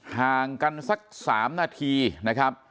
ห่างกันสัก๓นาทีนะครับ